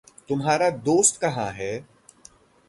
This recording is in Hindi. तुम्हारा दोस्त कहाँ है?